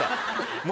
もう。